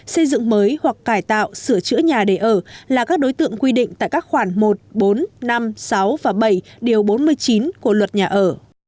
xây dựng mới hoặc cải tạo sửa chữa nhà để ở là các đối tượng quy định tại các khoản một bốn năm sáu và bảy điều bốn mươi chín của luật nhà ở